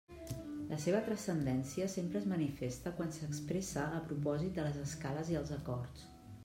La seva transcendència sempre és manifesta quan s'expressa a propòsit de les escales i els acords.